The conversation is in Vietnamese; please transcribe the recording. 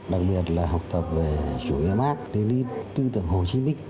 đặc biệt là học tập về chủ yếu đến tư tưởng hồ chí minh